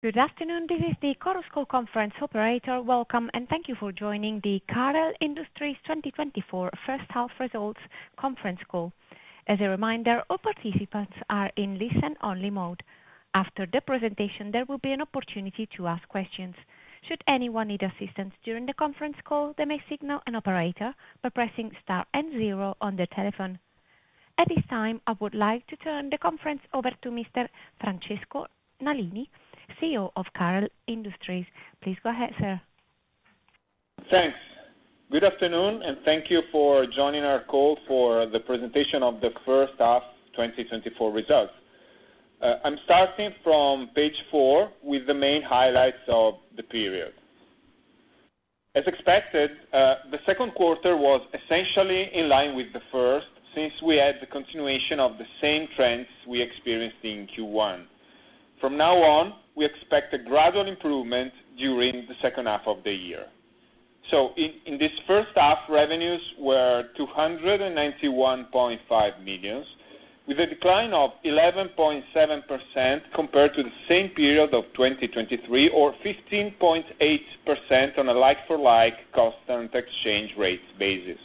Good afternoon, this is the conference operator. Welcome, and thank you for joining the Carel Industries 2024 H1 Results Conference Call. As a reminder, all participants are in listen-only mode. After the presentation, there will be an opportunity to ask questions. Should anyone need assistance during the conference call, they may signal an operator by pressing star and zero on their telephone. At this time, I would like to turn the conference over to Mr. Francesco Nalini, CEO of Carel Industries. Please go ahead, sir. Thanks. Good afternoon, and thank you for joining our call for the presentation of the H1 2024 results. I'm starting from page 4 with the main highlights of the period. As expected, the Q2 was essentially in line with the first since we had the continuation of the same trends we experienced in Q1. From now on, we expect a gradual improvement during the H2 of the year. So, in this H1, revenues were 291.5 million with a decline of 11.7% compared to the same period of 2023, or 15.8% on a like-for-like constant exchange rate basis.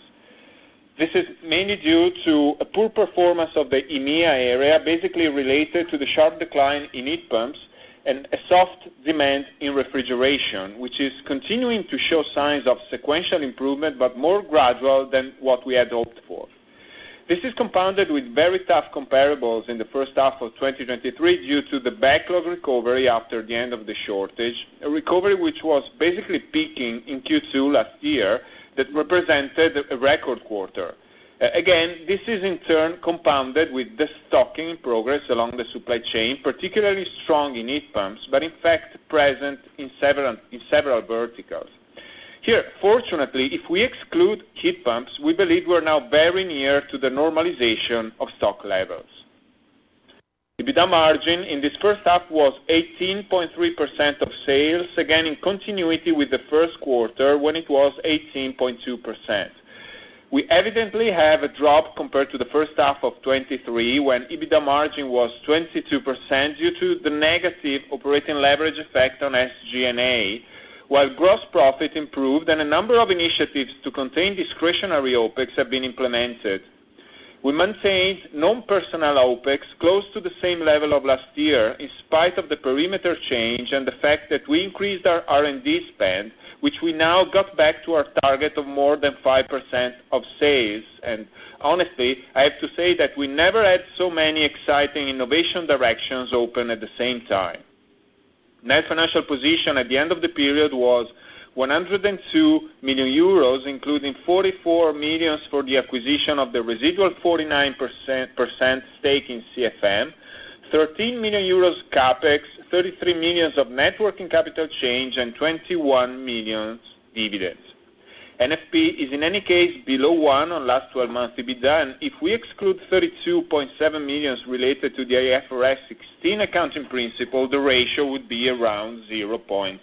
This is mainly due to a poor performance of the EMEA area, basically related to the sharp decline in heat pumps and a soft demand in refrigeration, which is continuing to show signs of sequential improvement but more gradual than what we had hoped for. This is compounded with very tough comparables in the H1 of 2023 due to the backlog recovery after the end of the shortage, a recovery which was basically peaking in Q2 last year that represented a record quarter. Again, this is in turn compounded with the stocking in progress along the supply chain, particularly strong in heat pumps but, in fact, present in several verticals. Here, fortunately, if we exclude heat pumps, we believe we're now very near to the normalization of stock levels. EBITDA margin in this H1 was 18.3% of sales, again in continuity with the Q1 when it was 18.2%. We evidently have a drop compared to the H1 of 2023 when EBITDA margin was 22% due to the negative operating leverage effect on SG&A, while gross profit improved and a number of initiatives to contain discretionary OPEX have been implemented. We maintained non-personnel OPEX close to the same level of last year in spite of the perimeter change and the fact that we increased our R&D spend, which we now got back to our target of more than 5% of sales. And honestly, I have to say that we never had so many exciting innovation directions open at the same time. Net financial position at the end of the period was 102 million euros, including 44 million for the acquisition of the residual 49% stake in CFM, 13 million euros CapEx, 33 million of net working capital change, and 21 million dividends. NFP is, in any case, below 1 on last 12 months EBITDA, and if we exclude 32.7 million related to the IFRS 16 accounting principle, the ratio would be around 0.6.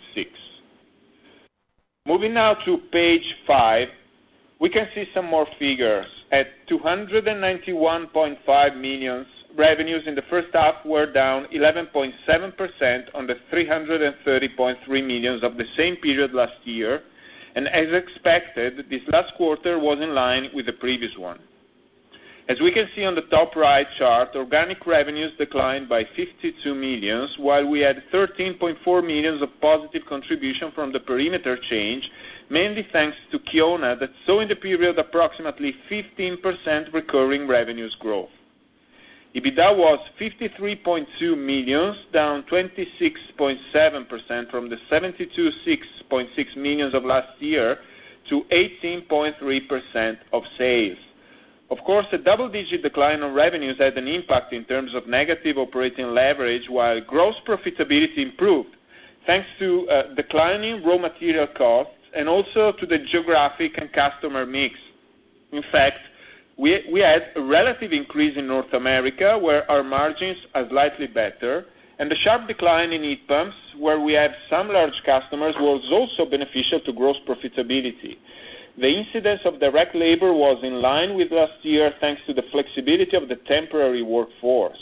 Moving now to page five, we can see some more figures. At 291.5 million, revenues in the H1 were down 11.7% on the 330.3 million of the same period last year, and as expected, this last quarter was in line with the previous one. As we can see on the top right chart, organic revenues declined by 52 million, while we had 13.4 million of positive contribution from the perimeter change, mainly thanks to Kiona that saw in the period approximately 15% recurring revenues growth. EBITDA was 53.2 million, down 26.7% from the 72.6 million of last year to 18.3% of sales. Of course, a double-digit decline in revenues had an impact in terms of negative operating leverage, while gross profitability improved thanks to declining raw material costs and also to the geographic and customer mix. In fact, we had a relative increase in North America, where our margins are slightly better, and the sharp decline in heat pumps, where we have some large customers, was also beneficial to gross profitability. The incidence of direct labor was in line with last year thanks to the flexibility of the temporary workforce.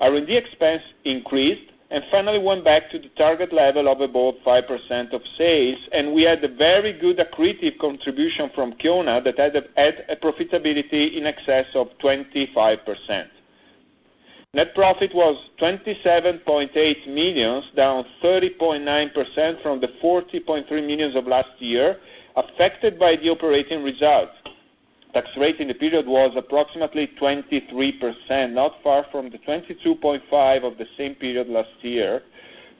R&D expense increased and finally went back to the target level of above 5% of sales, and we had a very good accretive contribution from Kiona that had a profitability in excess of 25%. Net profit was 27.8 million, down 30.9% from the 40.3 million of last year, affected by the operating result. Tax rate in the period was approximately 23%, not far from the 22.5% of the same period last year.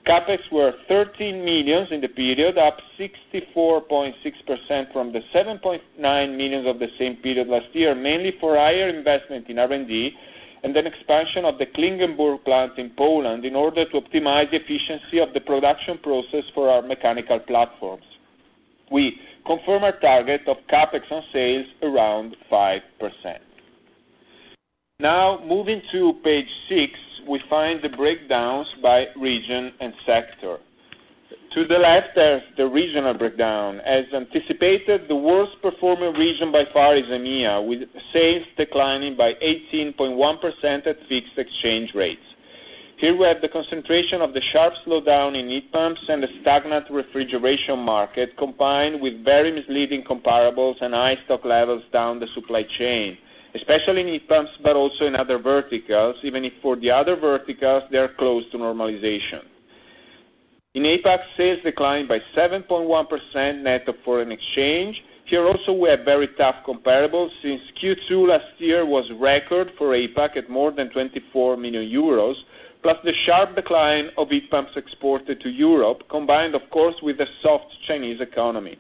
CapEx were 13 million in the period, up 64.6% from the 7.9 million of the same period last year, mainly for higher investment in R&D and then expansion of the Klingenburg plant in Poland in order to optimize the efficiency of the production process for our mechanical platforms. We confirm our target of CapEx on sales around 5%. Now, moving to page six, we find the breakdowns by region and sector. To the left, there's the regional breakdown. As anticipated, the worst-performing region by far is EMEA, with sales declining by 18.1% at fixed exchange rates. Here, we have the concentration of the sharp slowdown in heat pumps and the stagnant refrigeration market, combined with very misleading comparables and high stock levels down the supply chain, especially in heat pumps but also in other verticals, even if for the other verticals they are close to normalization. In APAC, sales declined by 7.1% net of foreign exchange. Here, also, we have very tough comparables since Q2 last year was record for APAC at more than €24 million, plus the sharp decline of heat pumps exported to Europe, combined, of course, with a soft Chinese economy.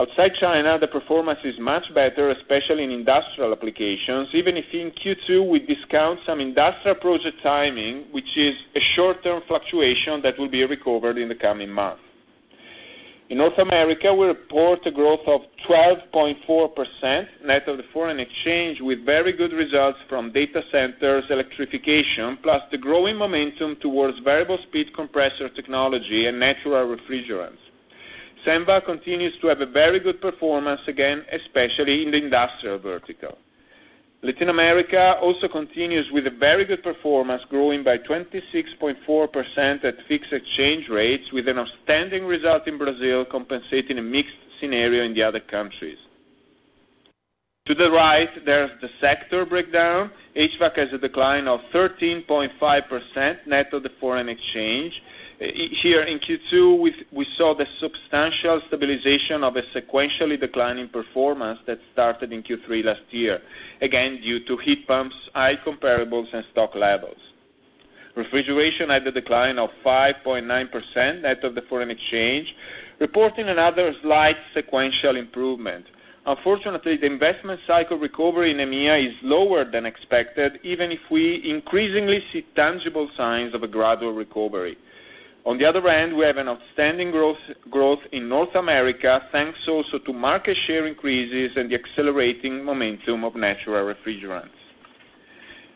Outside China, the performance is much better, especially in industrial applications, even if in Q2 we discount some industrial project timing, which is a short-term fluctuation that will be recovered in the coming months. In North America, we report a growth of 12.4% net of the foreign exchange, with very good results from data centers electrification, plus the growing momentum towards variable-speed compressor technology and natural refrigerants. Senva continues to have a very good performance again, especially in the industrial vertical. Latin America also continues with a very good performance, growing by 26.4% at fixed exchange rates, with an outstanding result in Brazil compensating a mixed scenario in the other countries. To the right, there's the sector breakdown. HVAC has a decline of 13.5% net of the foreign exchange. Here, in Q2, we saw the substantial stabilization of a sequentially declining performance that started in Q3 last year, again due to heat pumps, high comparables, and stock levels. Refrigeration had a decline of 5.9% net of the foreign exchange, reporting another slight sequential improvement. Unfortunately, the investment cycle recovery in EMEA is lower than expected, even if we increasingly see tangible signs of a gradual recovery. On the other hand, we have an outstanding growth in North America, thanks also to market share increases and the accelerating momentum of natural refrigerants.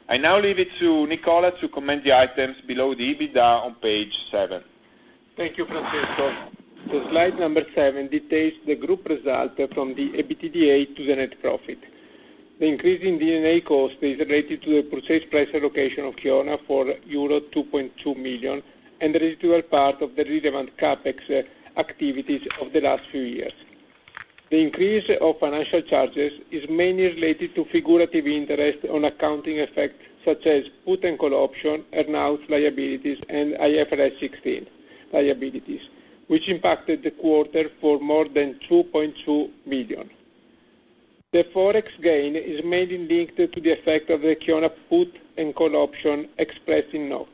I now leave it to Nicola to comment the items below the EBITDA on page seven. Thank you, Francesco. So slide number seven details the group result from the EBITDA to the net profit. The increase in D&A cost is related to the purchase price allocation of Kiona for €2.2 million and the residual part of the relevant CapEx activities of the last few years. The increase of financial charges is mainly related to figurative interest on accounting effects such as put and call option, earn-out liabilities, and IFRS 16 liabilities, which impacted the quarter for more than €2.2 million. The forex gain is mainly linked to the effect of the Kiona put and call option expressed in NOK.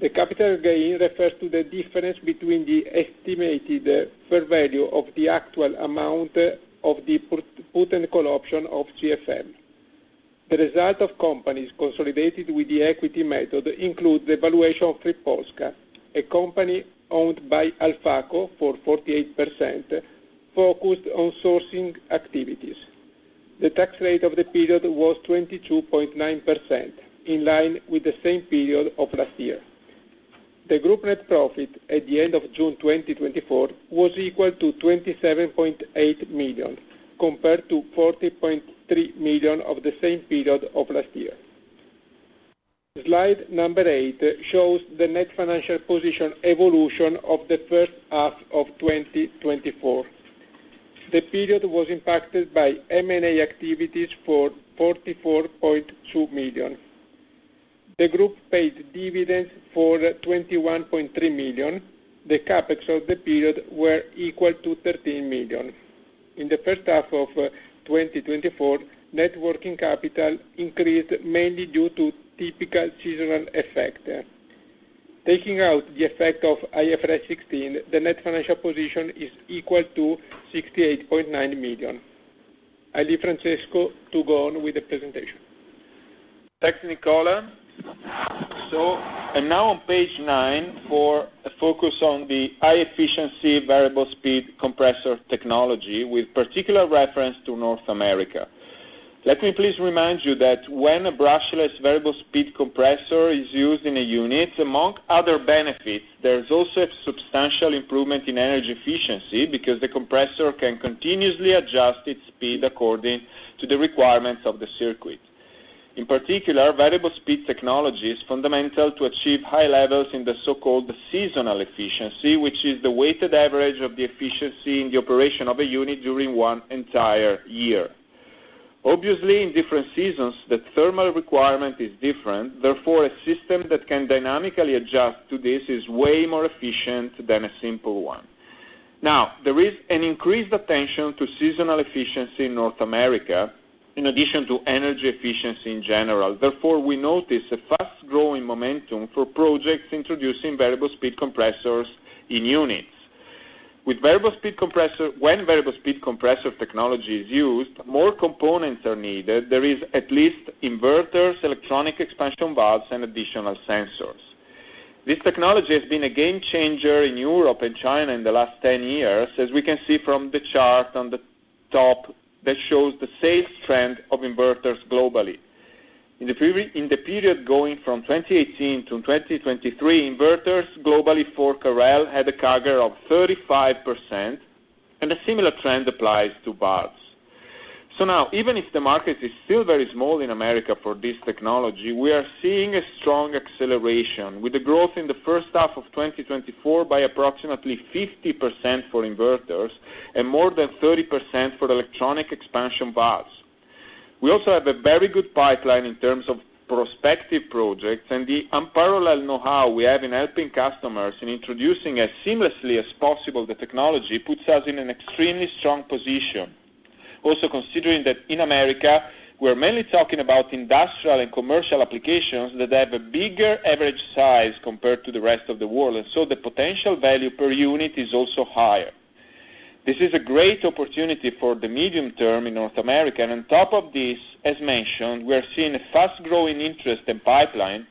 The capital gain refers to the difference between the estimated fair value of the actual amount of the put and call option of CFM. The result of companies consolidated with the equity method includes the valuation of Free Polska, a company owned by Alfaco for 48%, focused on sourcing activities. The tax rate of the period was 22.9%, in line with the same period of last year. The group net profit at the end of June 2024 was equal to 27.8 million, compared to 40.3 million of the same period of last year. Slide number 8 shows the net financial position evolution of the H1 of 2024. The period was impacted by M&A activities for 44.2 million. The group paid dividends for 21.3 million. The CapEx of the period were equal to 13 million. In the H1 of 2024, net working capital increased mainly due to typical seasonal effect. Taking out the effect of IFRS 16, the net financial position is equal to 68.9 million. I leave Francesco to go on with the presentation. Thanks, Nicola. So now on page 9 for a focus on the high-efficiency variable-speed compressor technology, with particular reference to North America. Let me please remind you that when a brushless variable-speed compressor is used in a unit, among other benefits, there's also a substantial improvement in energy efficiency because the compressor can continuously adjust its speed according to the requirements of the circuit. In particular, variable-speed technology is fundamental to achieve high levels in the so-called seasonal efficiency, which is the weighted average of the efficiency in the operation of a unit during one entire year. Obviously, in different seasons, the thermal requirement is different. Therefore, a system that can dynamically adjust to this is way more efficient than a simple one. Now, there is an increased attention to seasonal efficiency in North America in addition to energy efficiency in general. Therefore, we notice a fast-growing momentum for projects introducing variable-speed compressors in units. When variable-speed compressor technology is used, more components are needed. There are at least inverters, electronic expansion valves, and additional sensors. This technology has been a game changer in Europe and China in the last 10 years, as we can see from the chart on the top that shows the sales trend of inverters globally. In the period going from 2018 to 2023, inverters globally for Carel had a CAGR of 35%, and a similar trend applies to valves. So now, even if the market is still very small in America for this technology, we are seeing a strong acceleration, with the growth in the H1 of 2024 by approximately 50% for inverters and more than 30% for electronic expansion valves. We also have a very good pipeline in terms of prospective projects, and the unparalleled know-how we have in helping customers in introducing as seamlessly as possible the technology puts us in an extremely strong position. Also, considering that in America, we're mainly talking about industrial and commercial applications that have a bigger average size compared to the rest of the world, and so the potential value per unit is also higher. This is a great opportunity for the medium term in North America. And on top of this, as mentioned, we are seeing a fast-growing interest and pipeline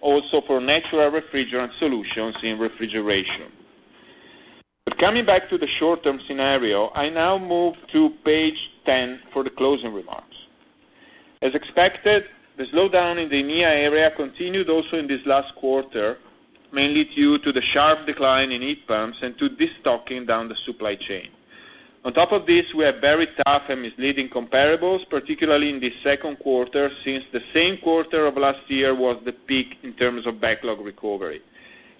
also for natural refrigerant solutions in refrigeration. But coming back to the short-term scenario, I now move to page 10 for the closing remarks. As expected, the slowdown in the EMEA area continued also in this last quarter, mainly due to the sharp decline in heat pumps and to the stocking down the supply chain. On top of this, we have very tough and misleading comparables, particularly in the Q2, since the same quarter of last year was the peak in terms of backlog recovery.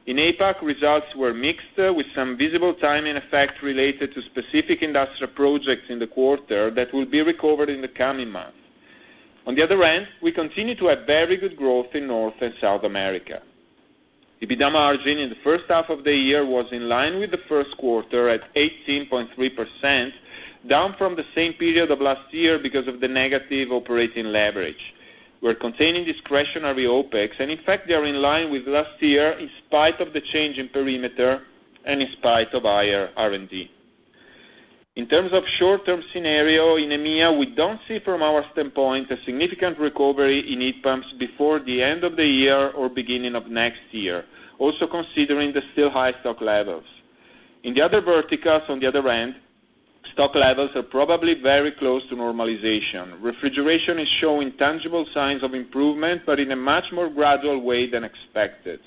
In APAC, results were mixed, with some visible timing effect related to specific industrial projects in the quarter that will be recovered in the coming months. On the other hand, we continue to have very good growth in North and South America. EBITDA margin in the H1 of the year was in line with the Q1 at 18.3%, down from the same period of last year because of the negative operating leverage. We're containing discretionary OPEX, and in fact, they are in line with last year in spite of the change in perimeter and in spite of higher R&D. In terms of short-term scenario in EMEA, we don't see from our standpoint a significant recovery in heat pumps before the end of the year or beginning of next year, also considering the still high stock levels. In the other verticals, on the other hand, stock levels are probably very close to normalization. Refrigeration is showing tangible signs of improvement, but in a much more gradual way than expected.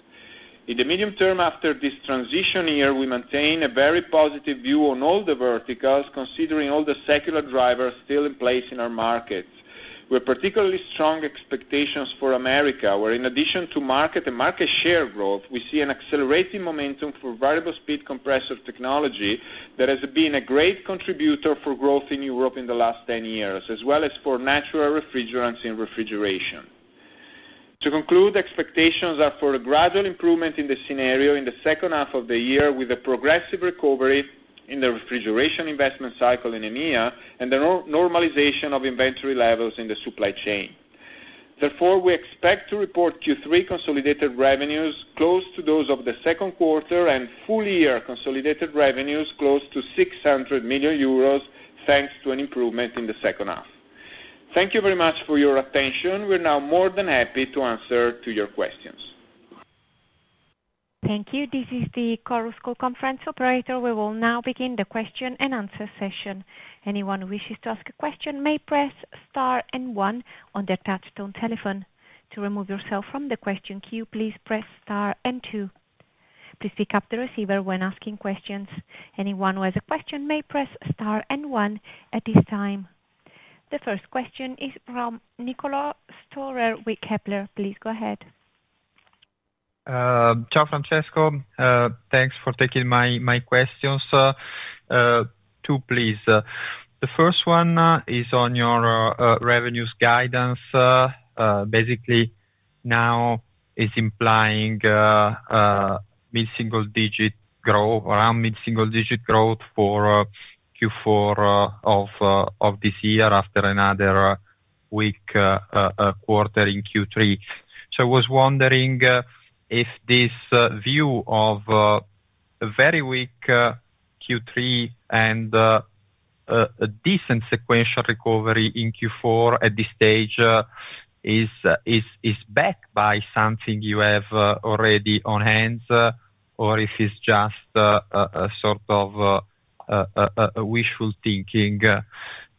In the medium term, after this transition year, we maintain a very positive view on all the verticals, considering all the secular drivers still in place in our market. We have particularly strong expectations for America, where in addition to market and market share growth, we see an accelerating momentum for variable-speed compressor technology that has been a great contributor for growth in Europe in the last 10 years, as well as for natural refrigerants in refrigeration. To conclude, expectations are for a gradual improvement in the scenario in the H2 of the year, with a progressive recovery in the refrigeration investment cycle in EMEA and the normalization of inventory levels in the supply chain. Therefore, we expect to report Q3 consolidated revenues close to those of the Q2 and full-year consolidated revenues close to 600 million euros, thanks to an improvement in the H2. Thank you very much for your attention. We're now more than happy to answer your questions. Thank you. This is the Carel Industries conference operator. We will now begin the question and answer session. Anyone who wishes to ask a question may press star and one on the touch-tone telephone. To remove yourself from the question queue, please press star and two. Please pick up the receiver when asking questions. Anyone who has a question may press star and one at this time. The first question is from Niccolò Storer with Kepler. Please go ahead. Ciao, Francesco. Thanks for taking my questions. Two, please. The first one is on your revenues guidance. Basically, now it's implying mid-single digit growth, around mid-single digit growth for Q4 of this year after another weak quarter in Q3. So I was wondering if this view of a very weak Q3 and a decent sequential recovery in Q4 at this stage is backed by something you have already on hand, or if it's just a sort of wishful thinking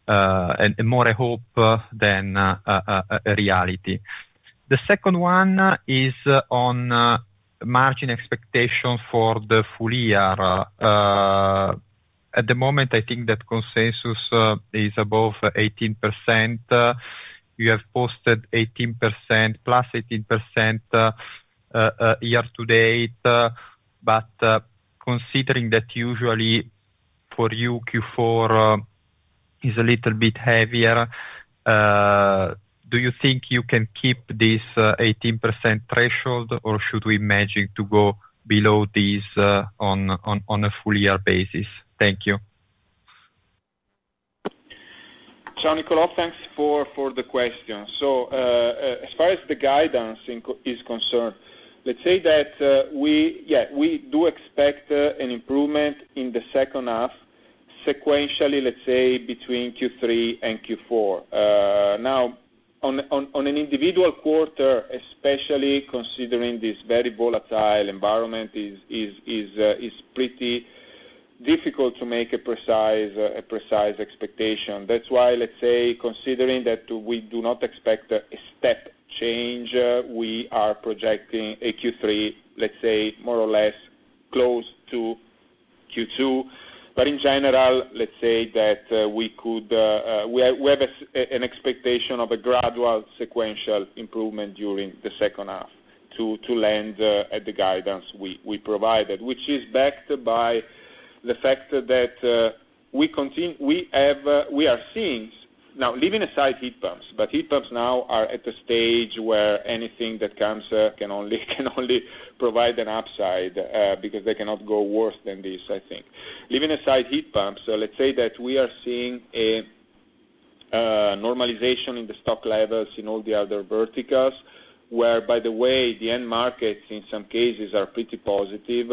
and more hope than reality. The second one is on margin expectations for the full year. At the moment, I think that consensus is above 18%. You have posted 18%, plus 18% year to date. But considering that usually for you, Q4 is a little bit heavier, do you think you can keep this 18% threshold, or should we imagine to go below this on a full-year basis? Thank you. Ciao, Nicola. Thanks for the question. So as far as the guidance is concerned, let's say that we do expect an improvement in the H2 sequentially, let's say, between Q3 and Q4. Now, on an individual quarter, especially considering this very volatile environment, it's pretty difficult to make a precise expectation. That's why, let's say, considering that we do not expect a step change, we are projecting a Q3, let's say, more or less close to Q2. But in general, let's say that we have an expectation of a gradual sequential improvement during the H2 to land at the guidance we provided, which is backed by the fact that we are seeing now, leaving aside heat pumps, but heat pumps now are at a stage where anything that comes can only provide an upside because they cannot go worse than this, I think. Leaving aside heat pumps, let's say that we are seeing a normalization in the stock levels in all the other verticals, where, by the way, the end markets in some cases are pretty positive.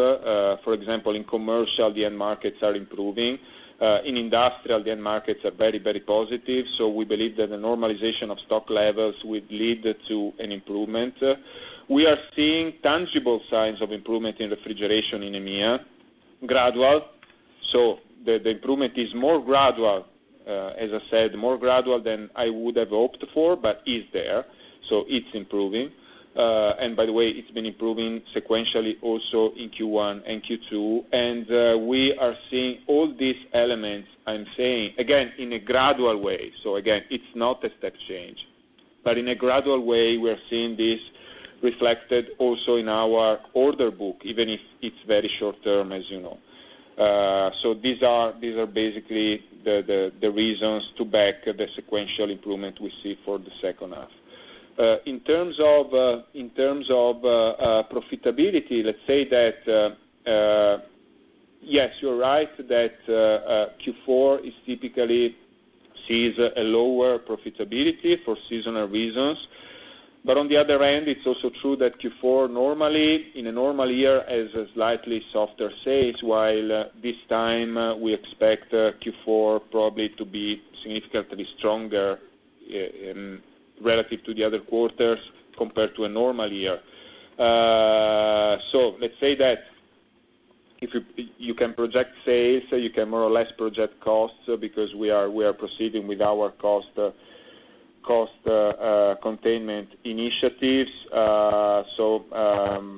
For example, in commercial, the end markets are improving. In industrial, the end markets are very, very positive. So we believe that the normalization of stock levels would lead to an improvement. We are seeing tangible signs of improvement in refrigeration in EMEA, gradual. So the improvement is more gradual, as I said, more gradual than I would have hoped for, but it's there. So it's improving. And by the way, it's been improving sequentially also in Q1 and Q2. And we are seeing all these elements, I'm saying, again, in a gradual way. So again, it's not a step change. But in a gradual way, we are seeing this reflected also in our order book, even if it's very short-term, as you know. So these are basically the reasons to back the sequential improvement we see for the H2. In terms of profitability, let's say that, yes, you're right that Q4 is typically sees a lower profitability for seasonal reasons. But on the other hand, it's also true that Q4 normally, in a normal year, has a slightly softer sales, while this time we expect Q4 probably to be significantly stronger relative to the other quarters compared to a normal year. So let's say that you can project sales, you can more or less project costs because we are proceeding with our cost containment initiatives. So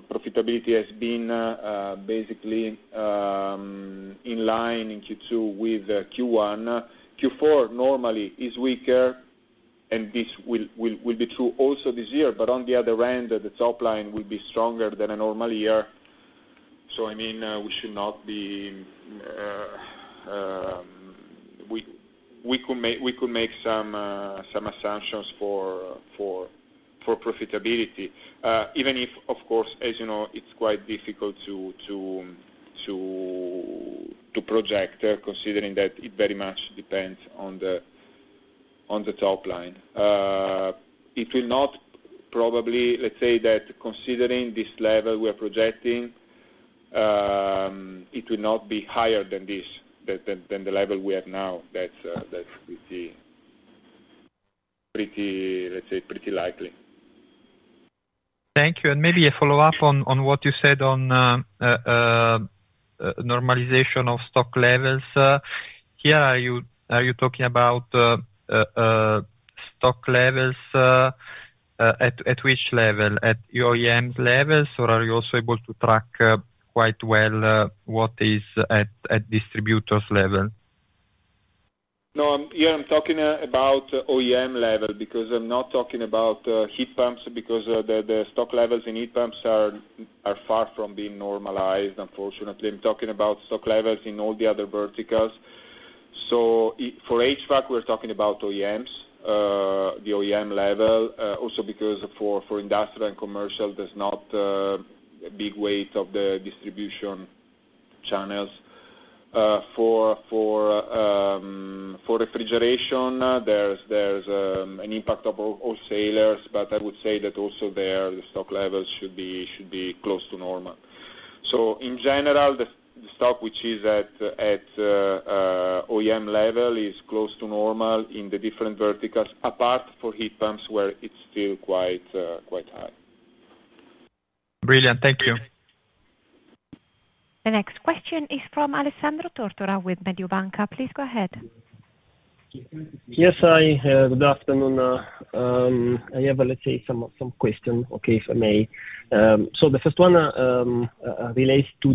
profitability has been basically in line in Q2 with Q1. Q4 normally is weaker, and this will be true also this year. But on the other hand, the top line will be stronger than a normal year. So I mean, we should not be we could make some assumptions for profitability, even if, of course, as you know, it's quite difficult to project, considering that it very much depends on the top line. It will not probably, let's say that considering this level we are projecting, it will not be higher than this, than the level we have now that we see, let's say, pretty likely. Thank you. And maybe a follow-up on what you said on normalization of stock levels. Here, are you talking about stock levels at which level? At OEM levels, or are you also able to track quite well what is at distributors' level? No, yeah, I'm talking about OEM level because I'm not talking about heat pumps because the stock levels in heat pumps are far from being normalized, unfortunately. I'm talking about stock levels in all the other verticals. So for HVAC, we're talking about OEMs, the OEM level, also because for industrial and commercial, there's not a big weight of the distribution channels. For refrigeration, there's an impact of wholesalers, but I would say that also there, the stock levels should be close to normal. So in general, the stock which is at OEM level is close to normal in the different verticals, apart for heat pumps where it's still quite high. Brilliant. Thank you. The next question is from Alessandro Tortora with Mediobanca. Please go ahead. Yes, hi. Good afternoon. I have, let's say, some questions, okay, if I may. So the first one relates to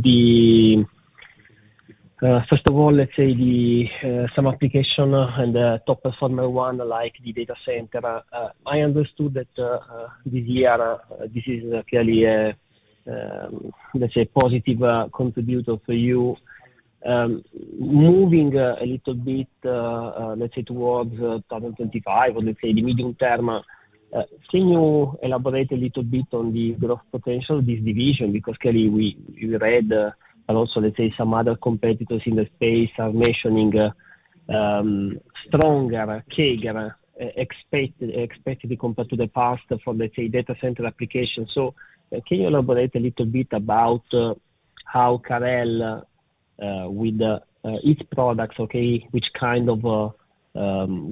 the first of all, let's say, the some application and the top performer one like the data center. I understood that this year, this is clearly a, let's say, positive contribute for you. Moving a little bit, let's say, towards 2025 or, let's say, the medium term, can you elaborate a little bit on the growth potential of this division? Because clearly, we read that also, let's say, some other competitors in the space are mentioning stronger CAGR expected compared to the past for, let's say, data center applications. So can you elaborate a little bit about how Carel with its products, okay, which kind of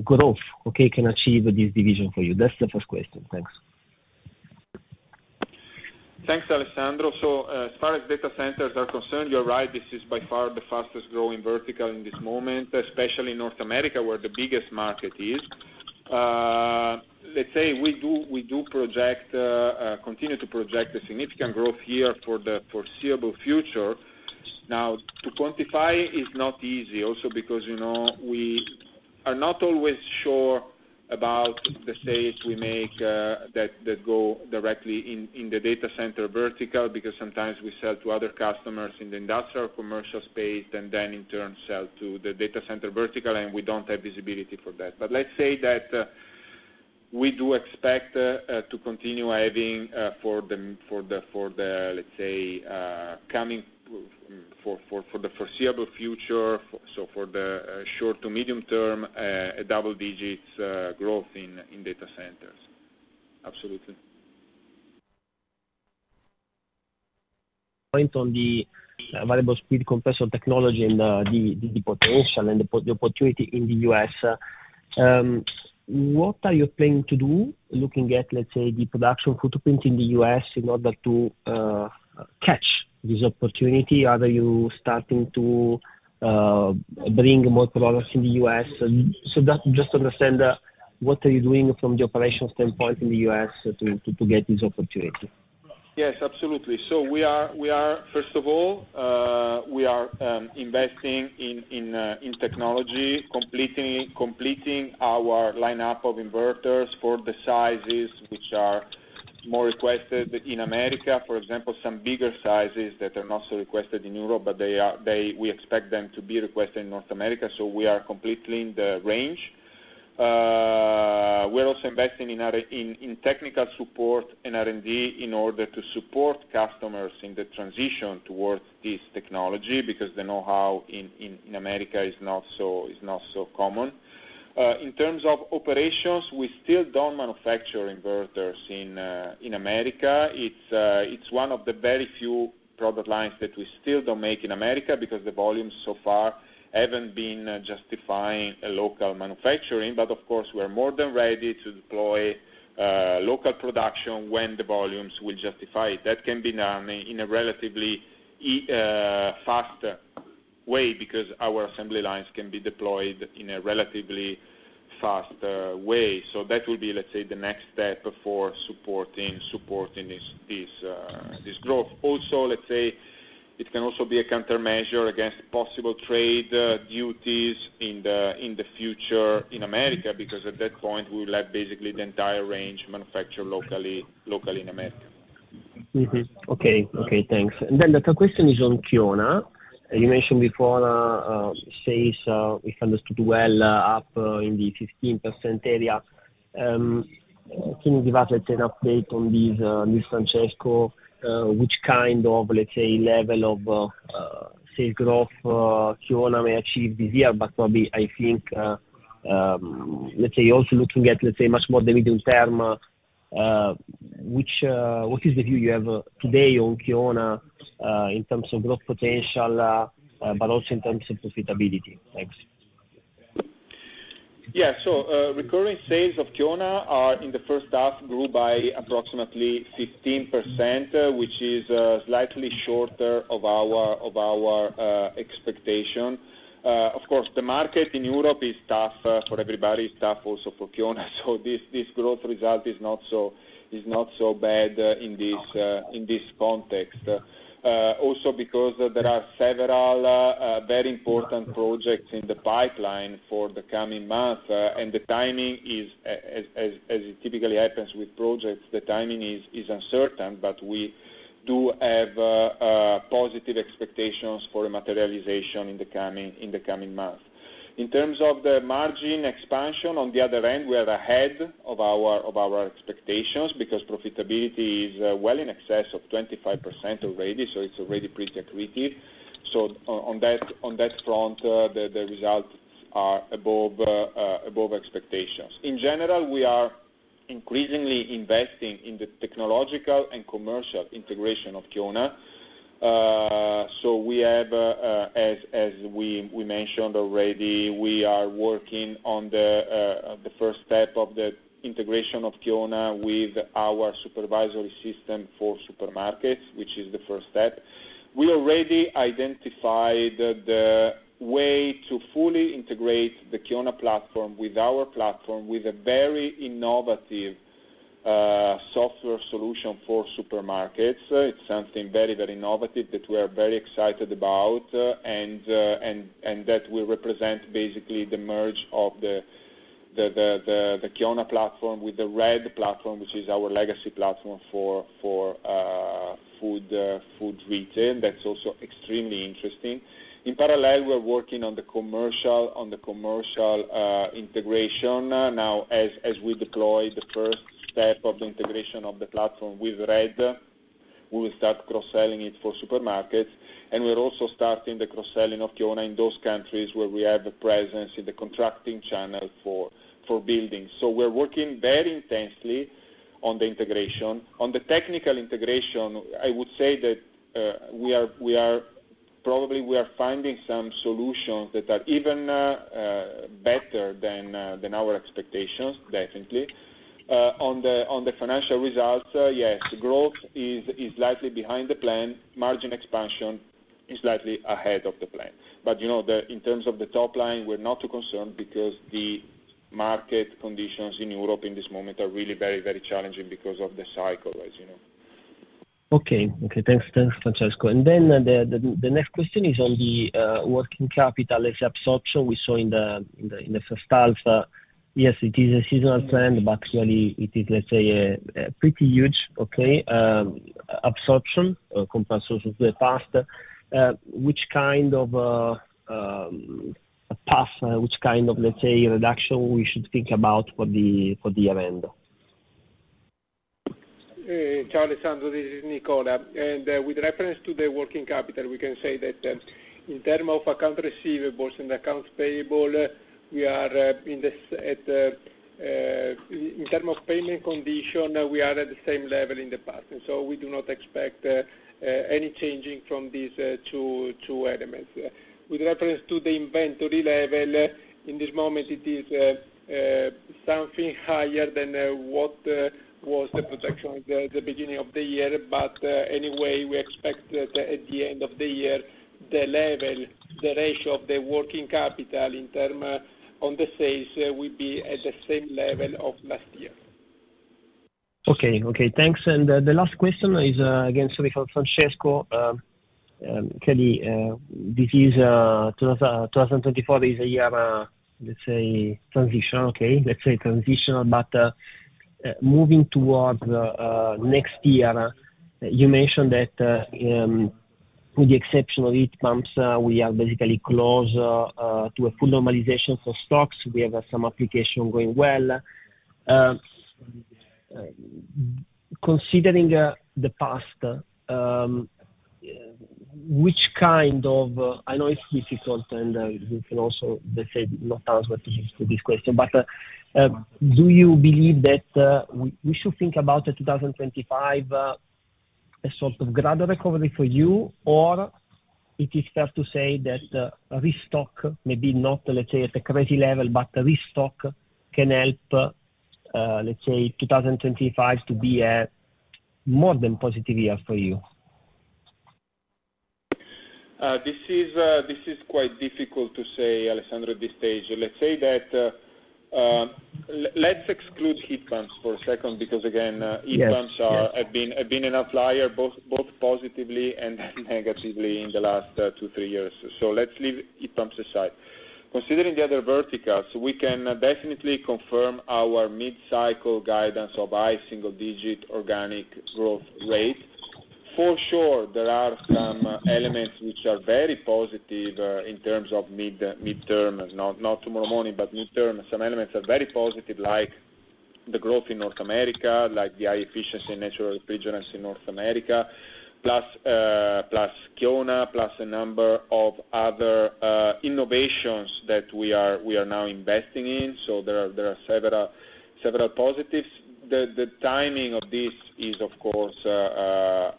growth, okay, can achieve this division for you? That's the first question. Thanks. Thanks, Alessandro. So as far as data centers are concerned, you're right. This is by far the fastest growing vertical in this moment, especially North America, where the biggest market is. Let's say we do project, continue to project a significant growth here for the foreseeable future. Now, to quantify is not easy, also because we are not always sure about the sales we make that go directly in the data center vertical, because sometimes we sell to other customers in the industrial commercial space, and then in turn sell to the data center vertical, and we don't have visibility for that. But let's say that we do expect to continue having for the, let's say, coming for the foreseeable future, so for the short to medium term, a double-digit growth in data centers. Absolutely. Point on the variable-speed compressor technology and the potential and the opportunity in the U.S., what are you planning to do, looking at, let's say, the production footprint in the U.S. in order to catch this opportunity? Are you starting to bring more products in the U.S.? So just to understand, what are you doing from the operational standpoint in the U.S. to get this opportunity? Yes, absolutely. So we are, first of all, we are investing in technology, completing our lineup of inverters for the sizes which are more requested in America. For example, some bigger sizes that are not so requested in Europe, but we expect them to be requested in North America. So we are completely in the range. We're also investing in technical support and R&D in order to support customers in the transition towards this technology because the know-how in America is not so common. In terms of operations, we still don't manufacture inverters in America. It's one of the very few product lines that we still don't make in America because the volumes so far haven't been justifying local manufacturing. But of course, we are more than ready to deploy local production when the volumes will justify it. That can be done in a relatively fast way because our assembly lines can be deployed in a relatively fast way. So that will be, let's say, the next step for supporting this growth. Also, let's say, it can also be a countermeasure against possible trade duties in the future in America because at that point, we will have basically the entire range manufactured locally in America. Okay. Okay. Thanks. Then the third question is on Kiona. You mentioned before sales, if I understood well, up in the 15% area. Can you give us, let's say, an update on this, Francesco, which kind of, let's say, level of sales growth Kiona may achieve this year? But probably, I think, let's say, also looking at, let's say, much more the medium term, what is the view you have today on Kiona in terms of growth potential, but also in terms of profitability? Thanks. Yeah. So recurring sales of Kiona in the H1 grew by approximately 15%, which is slightly shorter of our expectation. Of course, the market in Europe is tough for everybody, tough also for Kiona. So this growth result is not so bad in this context. Also because there are several very important projects in the pipeline for the coming month, and the timing is, as it typically happens with projects, the timing is uncertain, but we do have positive expectations for materialization in the coming month. In terms of the margin expansion, on the other end, we are ahead of our expectations because profitability is well in excess of 25% already, so it's already pretty accretive. So on that front, the results are above expectations. In general, we are increasingly investing in the technological and commercial integration of Kiona. So we have, as we mentioned already, we are working on the first step of the integration of Kiona with our supervisory system for supermarkets, which is the first step. We already identified the way to fully integrate the Kiona platform with our platform with a very innovative software solution for supermarkets. It's something very, very innovative that we are very excited about and that will represent basically the merge of the Kiona platform with the RED platform, which is our legacy platform for food retail. That's also extremely interesting. In parallel, we're working on the commercial integration. Now, as we deploy the first step of the integration of the platform with RED, we will start cross-selling it for supermarkets. And we're also starting the cross-selling of Kiona in those countries where we have a presence in the contracting channel for buildings. So we're working very intensely on the integration. On the technical integration, I would say that probably we are finding some solutions that are even better than our expectations, definitely. On the financial results, yes, growth is slightly behind the plan. Margin expansion is slightly ahead of the plan. But in terms of the top line, we're not too concerned because the market conditions in Europe in this moment are really very, very challenging because of the cycle, as you know. Okay. Okay. Thanks, Francesco. And then the next question is on the working capital absorption we saw in the H1. Yes, it is a seasonal trend, but really it is, let's say, a pretty huge absorption compared to the past. Which kind of path, which kind of, let's say, reduction we should think about for the year end? Ciao, Alessandro. This is Nicola. With reference to the working capital, we can say that in terms of accounts receivable and accounts payable, we are in the same term of payment condition, we are at the same level in the past. So we do not expect any changing from these two elements. With reference to the inventory level, in this moment, it is something higher than what was the projection at the beginning of the year. But anyway, we expect that at the end of the year, the level, the ratio of the working capital in terms of the sales will be at the same level of last year. Okay. Okay. Thanks. And the last question is, again, sorry for Francesco. Clearly, this is 2024, is a year, let's say, transition, okay? Let's say transitional, but moving towards next year, you mentioned that with the exception of heat pumps, we are basically close to a full normalization for stocks. We have some application going well. Considering the past, which kind of, I know it's difficult, and you can also, let's say, not answer to this question, but do you believe that we should think about 2025 as sort of gradual recovery for you, or it is fair to say that restock, maybe not, let's say, at a crazy level, but restock can help, let's say, 2025 to be a more than positive year for you? This is quite difficult to say, Alessandro, at this stage. Let's say that let's exclude heat pumps for a second because, again, heat pumps have been an outlier, both positively and negatively in the last 2, 3 years. So let's leave heat pumps aside. Considering the other verticals, we can definitely confirm our mid-cycle guidance of high single-digit organic growth rate. For sure, there are some elements which are very positive in terms of mid-term, not tomorrow morning, but mid-term, some elements are very positive, like the growth in North America, like the high efficiency and natural refrigerants in North America, plus Kiona, plus a number of other innovations that we are now investing in. So there are several positives. The timing of this is, of course,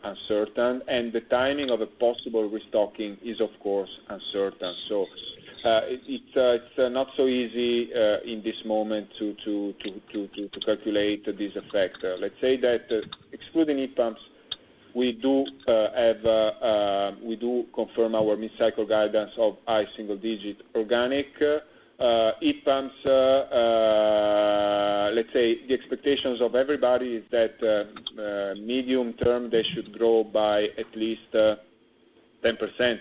uncertain, and the timing of a possible restocking is, of course, uncertain. So it's not so easy in this moment to calculate this effect. Let's say that excluding heat pumps, we do confirm our mid-cycle guidance of high single-digit organic heat pumps. Let's say the expectations of everybody is that medium term, they should grow by at least 10%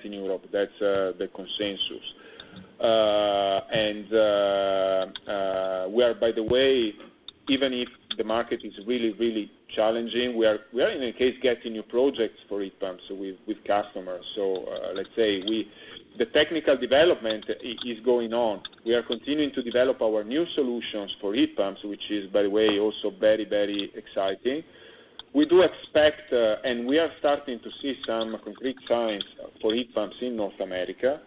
in Europe. That's the consensus. And we are, by the way, even if the market is really, really challenging, we are, in any case, getting new projects for heat pumps with customers. So let's say the technical development is going on. We are continuing to develop our new solutions for heat pumps, which is, by the way, also very, very exciting. We do expect, and we are starting to see some concrete signs for heat pumps in North America.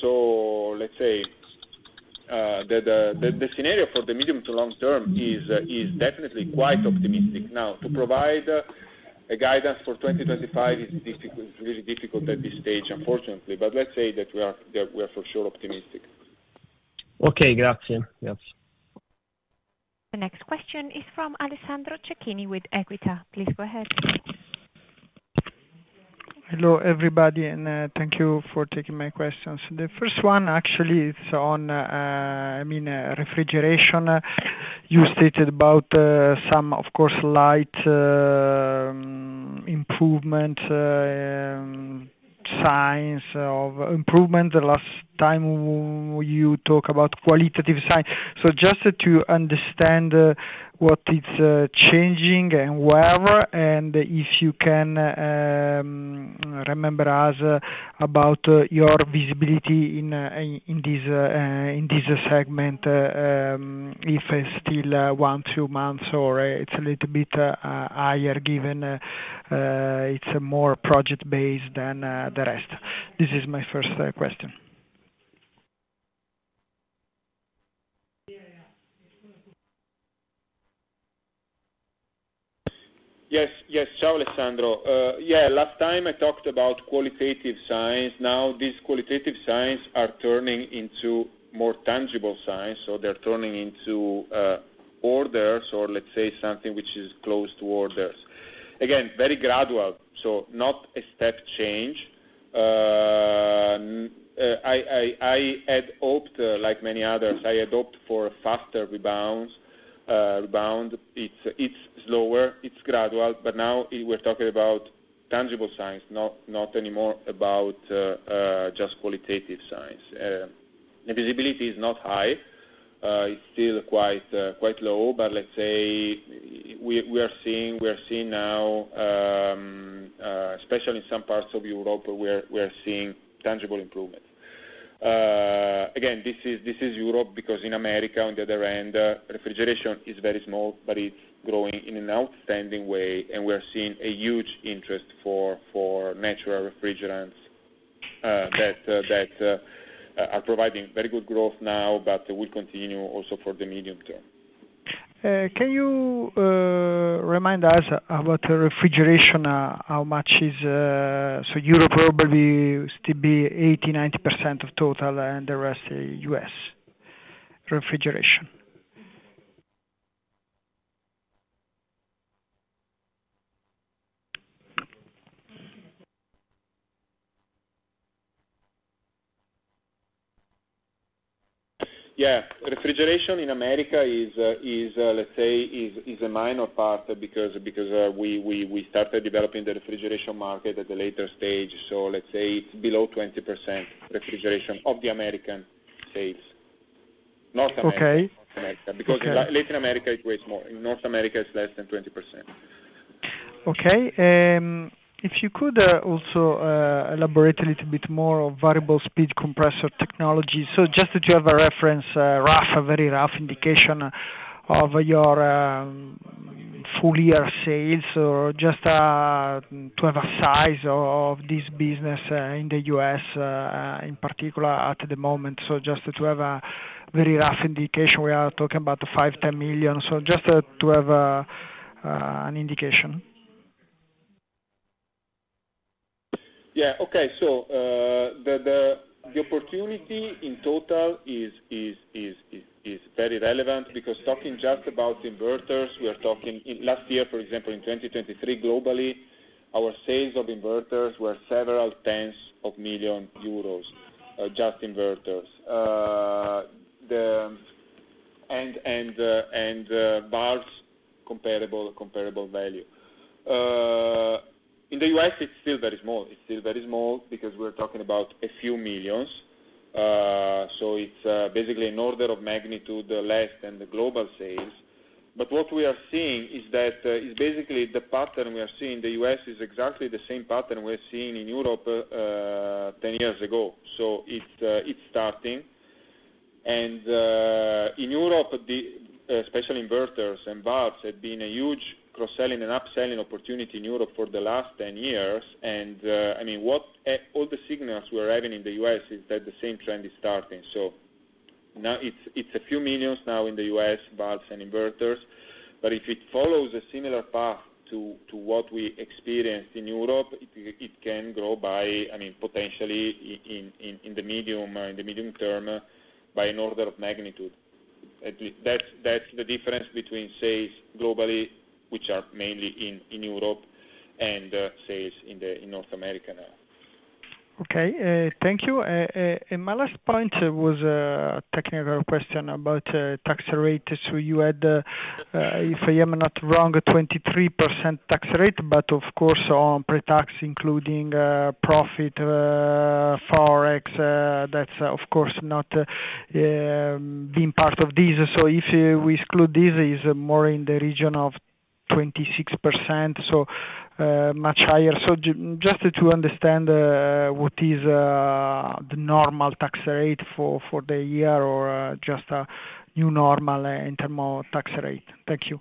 So let's say the scenario for the medium to long term is definitely quite optimistic. Now, to provide a guidance for 2025 is really difficult at this stage, unfortunately. But let's say that we are for sure optimistic. Okay. Grazie. Grazie. The next question is from Alessandro Cecchini with Equita. Please go ahead. Hello, everybody, and thank you for taking my questions. The first one, actually, it's on, I mean, refrigeration. You stated about some, of course, light improvement signs of improvement. The last time you talked about qualitative signs. So just to understand what is changing and where, and if you can remember us about your visibility in this segment, if it's still 1, 2 months, or it's a little bit higher given it's more project-based than the rest. This is my first question. Yes. Yes. Ciao, Alessandro. Yeah. Last time, I talked about qualitative signs. Now, these qualitative signs are turning into more tangible signs. So they're turning into orders or, let's say, something which is close to orders. Again, very gradual. So not a step change. I had hoped, like many others, I had hoped for a faster rebound. It's slower. It's gradual. But now we're talking about tangible signs, not anymore about just qualitative signs. The visibility is not high. It's still quite low. But let's say we are seeing now, especially in some parts of Europe, we are seeing tangible improvements. Again, this is Europe because in America, on the other end, refrigeration is very small, but it's growing in an outstanding way. And we are seeing a huge interest for natural refrigerants that are providing very good growth now, but will continue also for the medium term. Can you remind us about refrigeration? How much is so Europe probably still be 80%-90% of total and the rest U.S. refrigeration? Yeah. Refrigeration in America is, let's say, a minor part because we started developing the refrigeration market at the later stage. So let's say it's below 20% refrigeration of the American sales. North America, North America. Because in Latin America, it weighs more. In North America, it's less than 20%. Okay. If you could also elaborate a little bit more on variable speed compressor technology. So just to have a reference, a very rough indication of your full year sales, or just to have a size of this business in the U.S. in particular at the moment. So just to have a very rough indication. We are talking about $5 million-10 million. So just to have an indication. Yeah. Okay. So the opportunity in total is very relevant because talking just about inverters, we are talking last year, for example, in 2023, globally, our sales of inverters were several tens of millions EUR, just inverters. And valves comparable value. In the US, it's still very small. It's still very small because we are talking about a few million EUR. So it's basically an order of magnitude less than the global sales. But what we are seeing is that it's basically the pattern we are seeing in the US is exactly the same pattern we are seeing in Europe 10 years ago. So it's starting. And in Europe, especially inverters and bars have been a huge cross-selling and upselling opportunity in Europe for the last 10 years. And I mean, all the signals we are having in the US is that the same trend is starting. So it's a few million now in the U.S., valves and inverters. But if it follows a similar path to what we experienced in Europe, it can grow by, I mean, potentially in the medium term by an order of magnitude. That's the difference between sales globally, which are mainly in Europe, and sales in North America now. Okay. Thank you. And my last point was a technical question about tax rates. So you had, if I am not wrong, a 23% tax rate, but of course, on pre-tax, including profit, forex, that's of course not being part of these. So if we exclude these, it's more in the region of 26%, so much higher. So just to understand what is the normal tax rate for the year or just a new normal in terms of tax rate. Thank you.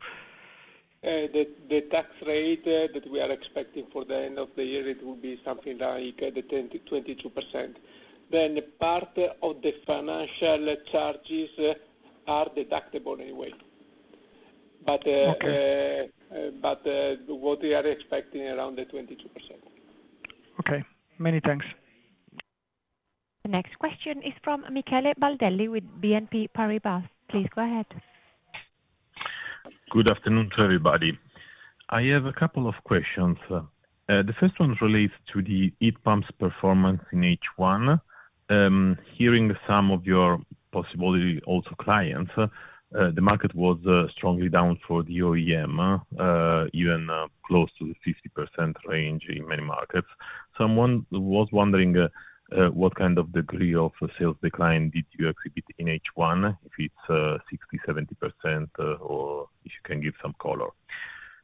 The tax rate that we are expecting for the end of the year, it will be something like 22%. Then part of the financial charges are deductible anyway. But what we are expecting around 22%. Okay. Many thanks. The next question is from Michele Baldelli with BNP Paribas. Please go ahead. Good afternoon to everybody. I have a couple of questions. The first one relates to the heat pumps performance in H1. Hearing some of your peers, possibly also clients, the market was strongly down for the OEM, even close to the 50% range in many markets. Someone was wondering what kind of degree of sales decline did you exhibit in H1, if it's 60%, 70%, or if you can give some color.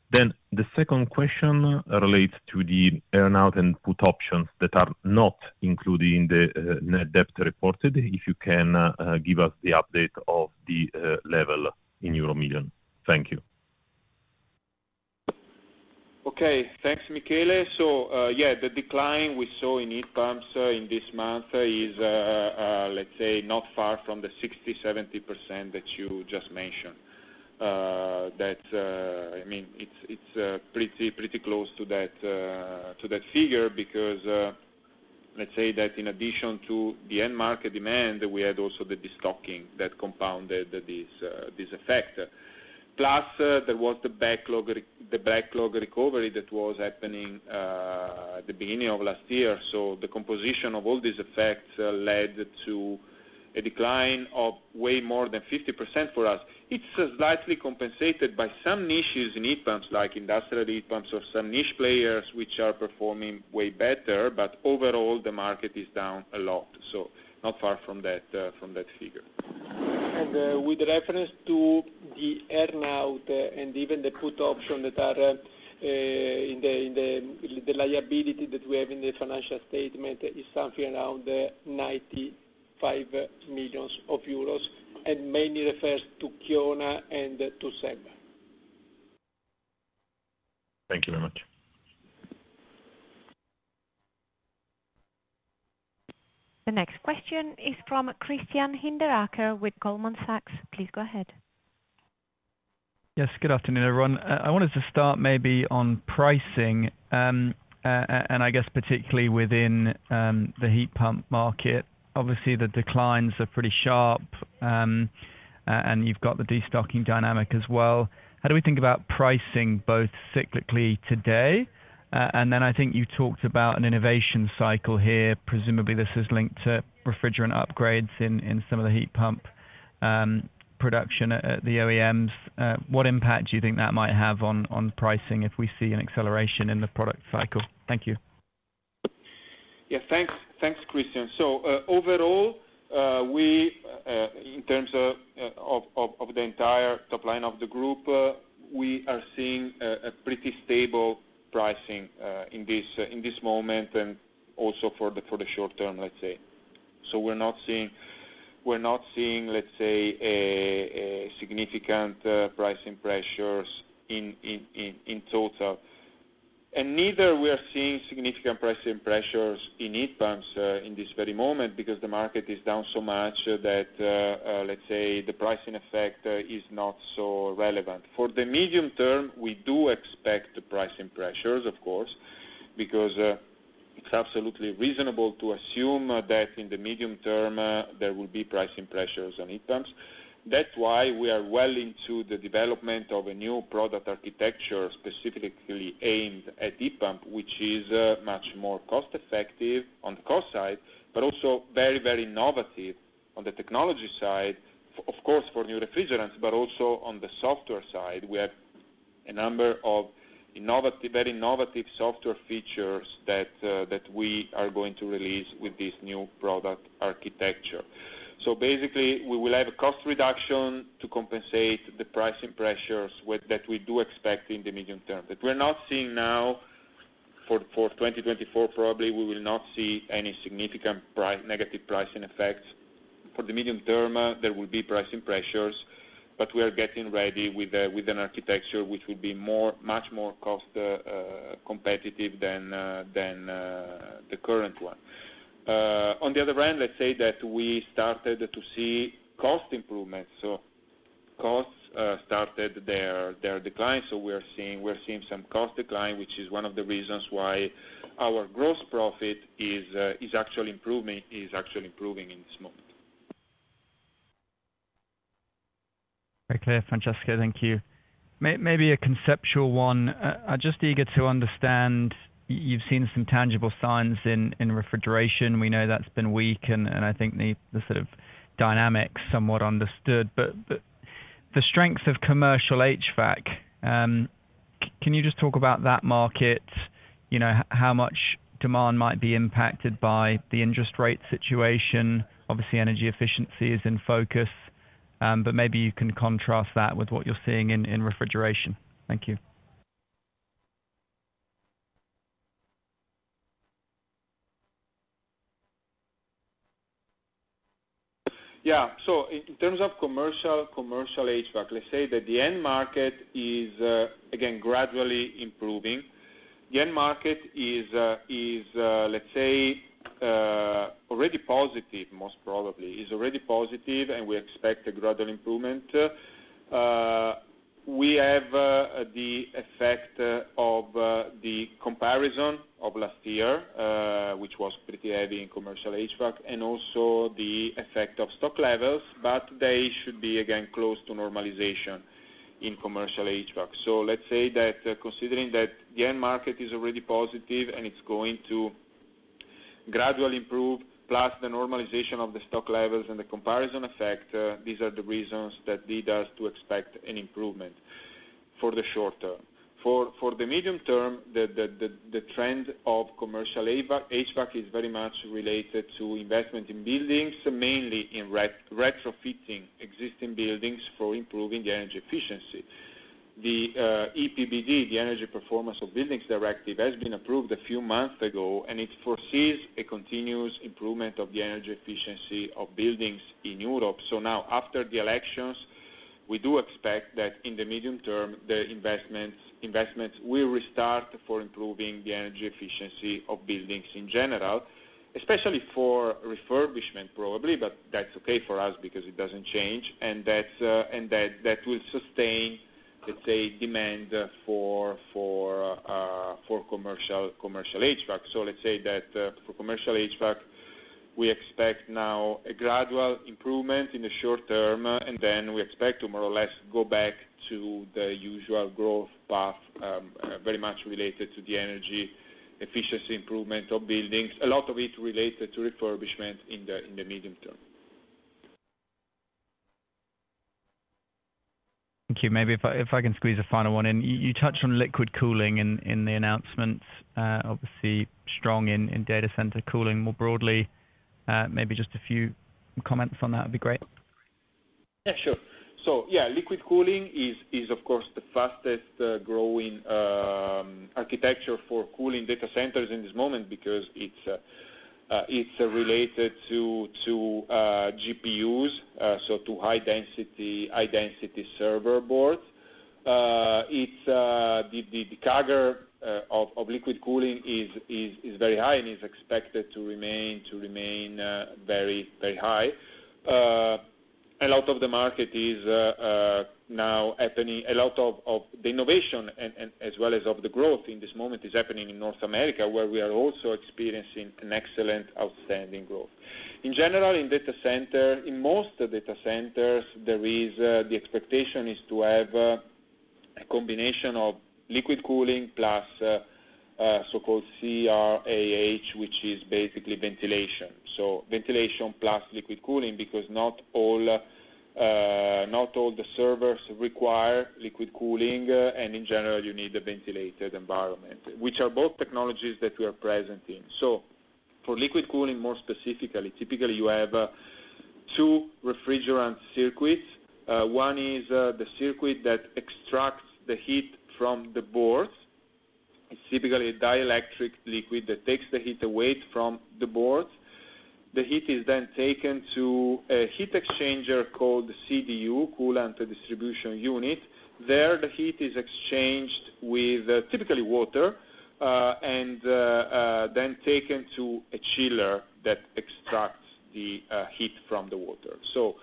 Then the second question relates to the earn-out and put options that are not included in the net debt reported. If you can give us the update of the level in EUR million. Thank you. Okay. Thanks, Michele. So yeah, the decline we saw in heat pumps in this month is, let's say, not far from the 60%-70% that you just mentioned. I mean, it's pretty close to that figure because let's say that in addition to the end market demand, we had also the destocking that compounded this effect. Plus, there was the backlog recovery that was happening at the beginning of last year. So the composition of all these effects led to a decline of way more than 50% for us. It's slightly compensated by some niches in heat pumps like industrial heat pumps or some niche players which are performing way better, but overall, the market is down a lot. So not far from that figure. With reference to the earn-out and even the put option that are in the liability that we have in the financial statement, it's something around 95 million euros and mainly refers to Kiona and to SEB. Thank you very much. The next question is from Christian Hinderaker with Goldman Sachs. Please go ahead. Yes. Good afternoon, everyone. I wanted to start maybe on pricing, and I guess particularly within the heat pump market. Obviously, the declines are pretty sharp, and you've got the destocking dynamic as well. How do we think about pricing both cyclically today? And then I think you talked about an innovation cycle here. Presumably, this is linked to refrigerant upgrades in some of the heat pump production at the OEMs. What impact do you think that might have on pricing if we see an acceleration in the product cycle? Thank you. Yeah. Thanks, Christian. So overall, in terms of the entire top line of the group, we are seeing a pretty stable pricing in this moment and also for the short term, let's say. So we're not seeing, let's say, significant pricing pressures in total. And neither we are seeing significant pricing pressures in heat pumps in this very moment because the market is down so much that, let's say, the pricing effect is not so relevant. For the medium term, we do expect pricing pressures, of course, because it's absolutely reasonable to assume that in the medium term, there will be pricing pressures on heat pumps. That's why we are well into the development of a new product architecture specifically aimed at heat pump, which is much more cost-effective on the cost side, but also very, very innovative on the technology side, of course, for new refrigerants, but also on the software side. We have a number of very innovative software features that we are going to release with this new product architecture. So basically, we will have a cost reduction to compensate the pricing pressures that we do expect in the medium term. That we're not seeing now for 2024, probably we will not see any significant negative pricing effects. For the medium term, there will be pricing pressures, but we are getting ready with an architecture which will be much more cost-competitive than the current one. On the other hand, let's say that we started to see cost improvements. So costs started their decline. We are seeing some cost decline, which is one of the reasons why our gross profit is actually improving in this moment. Okay. Francesco, thank you. Maybe a conceptual one. I'm just eager to understand. You've seen some tangible signs in refrigeration. We know that's been weak, and I think the sort of dynamic's somewhat understood. But the strength of commercial HVAC, can you just talk about that market, how much demand might be impacted by the interest rate situation? Obviously, energy efficiency is in focus, but maybe you can contrast that with what you're seeing in refrigeration. Thank you. Yeah. So in terms of commercial HVAC, let's say that the end market is, again, gradually improving. The end market is, let's say, already positive, most probably. It's already positive, and we expect a gradual improvement. We have the effect of the comparison of last year, which was pretty heavy in commercial HVAC, and also the effect of stock levels, but they should be, again, close to normalization in commercial HVAC. So let's say that considering that the end market is already positive and it's going to gradually improve, plus the normalization of the stock levels and the comparison effect, these are the reasons that lead us to expect an improvement for the short term. For the medium term, the trend of commercial HVAC is very much related to investment in buildings, mainly in retrofitting existing buildings for improving the energy efficiency. The EPBD, the Energy Performance of Buildings Directive, has been approved a few months ago, and it foresees a continuous improvement of the energy efficiency of buildings in Europe. So now, after the elections, we do expect that in the medium term, the investments will restart for improving the energy efficiency of buildings in general, especially for refurbishment, probably, but that's okay for us because it doesn't change. And that will sustain, let's say, demand for commercial HVAC. So let's say that for commercial HVAC, we expect now a gradual improvement in the short term, and then we expect to more or less go back to the usual growth path, very much related to the energy efficiency improvement of buildings, a lot of it related to refurbishment in the medium term. Thank you. Maybe if I can squeeze a final one in. You touched on liquid cooling in the announcements, obviously strong in data center cooling more broadly. Maybe just a few comments on that would be great. Yeah, sure. So yeah, liquid cooling is, of course, the fastest growing architecture for cooling data centers in this moment because it's related to GPUs, so to high-density server boards. The CAGR of liquid cooling is very high and is expected to remain very high. A lot of the market is now happening. A lot of the innovation, as well as of the growth in this moment, is happening in North America, where we are also experiencing an excellent, outstanding growth. In general, in data center, in most data centers, the expectation is to have a combination of liquid cooling plus so-called CRAH, which is basically ventilation. So ventilation plus liquid cooling because not all the servers require liquid cooling, and in general, you need a ventilated environment, which are both technologies that we are present in. So for liquid cooling, more specifically, typically you have two refrigerant circuits. One is the circuit that extracts the heat from the boards. It's typically a dielectric liquid that takes the heat away from the boards. The heat is then taken to a heat exchanger called CDU, Coolant Distribution Unit. There, the heat is exchanged with typically water and then taken to a chiller that extracts the heat from the water. So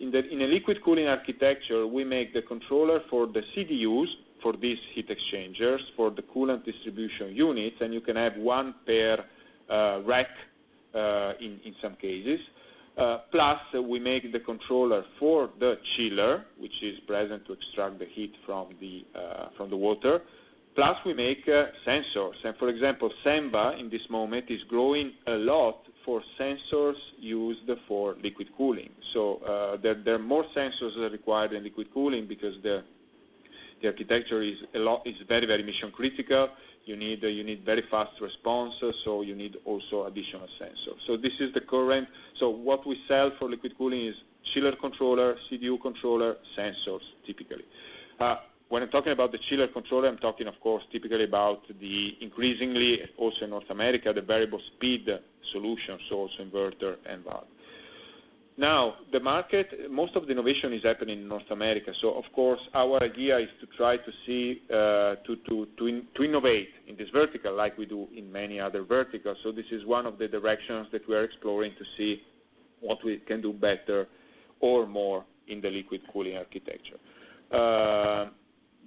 in a liquid cooling architecture, we make the controller for the CDUs for these heat exchangers, for the coolant distribution units, and you can have one pair rack in some cases. Plus, we make the controller for the chiller, which is present to extract the heat from the water. Plus, we make sensors. And for example, Senva in this moment is growing a lot for sensors used for liquid cooling. So there are more sensors required in liquid cooling because the architecture is very, very mission-critical. You need very fast response, so you need also additional sensors. So this is the current. So what we sell for liquid cooling is chiller controller, CDU controller, sensors, typically. When I'm talking about the chiller controller, I'm talking, of course, typically about the increasingly, also in North America, the variable speed solutions, so also inverter and valve. Now, most of the innovation is happening in North America. So, of course, our idea is to try to see to innovate in this vertical like we do in many other verticals. So this is one of the directions that we are exploring to see what we can do better or more in the liquid cooling architecture.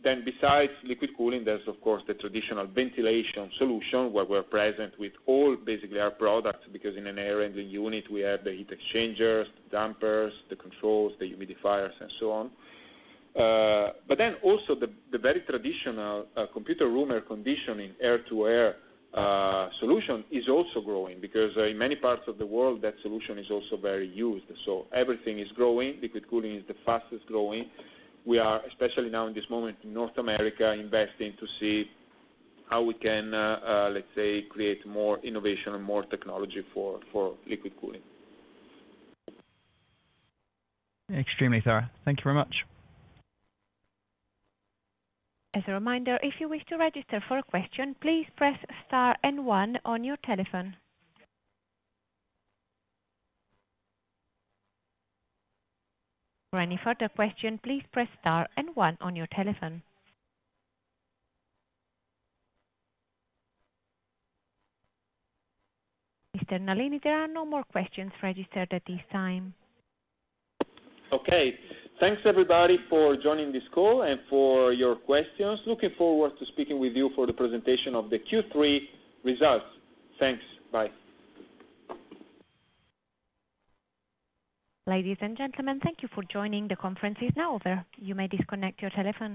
Then besides liquid cooling, there's, of course, the traditional ventilation solution where we're present with all basically our products because in an air handling unit, we have the heat exchangers, the dampers, the controls, the humidifiers, and so on. But then also the very traditional computer room air conditioning air-to-air solution is also growing because in many parts of the world, that solution is also very used. So everything is growing. Liquid cooling is the fastest growing. We are, especially now in this moment in North America, investing to see how we can, let's say, create more innovation and more technology for liquid cooling. Extremely thorough. Thank you very much. As a reminder, if you wish to register for a question, please press star and one on your telephone. For any further question, please press star and one on your telephone. Mr. Nalini, there are no more questions registered at this time. Okay. Thanks, everybody, for joining this call and for your questions. Looking forward to speaking with you for the presentation of the Q3 results. Thanks. Bye. Ladies and gentlemen, thank you for joining the conference. It's now over. You may disconnect your telephone.